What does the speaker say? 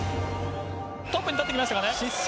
トップに立ちましたかね。